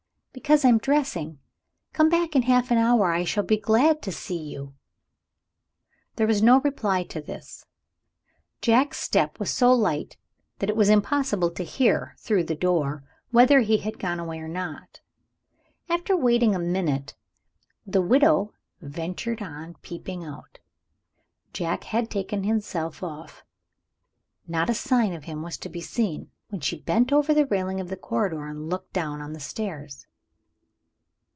"Because I am dressing. Come back in half an hour; and I shall be glad to see you." There was no reply to this. Jack's step was so light that it was impossible to hear, through the door, whether he had gone away or not. After waiting a minute, the widow ventured on peeping out. Jack had taken himself off. Not a sign of him was to be seen, when she bent over the railing of the corridor, and looked down on the stairs.